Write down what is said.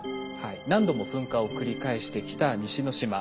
何度も噴火を繰り返してきた西之島。